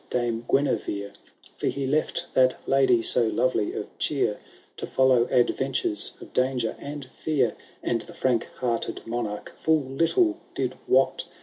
Dame Guenever, For he left that lady so lovely of cheer. To follow adventures of danger and fear ; And the frank hearted Monarch fiill little did wot.